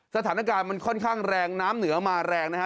สถานการณ์มันค่อนข้างแรงน้ำเหนือมาแรงนะฮะ